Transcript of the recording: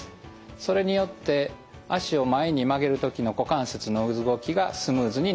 それによって脚を前に曲げる時の股関節の動きがスムーズになります。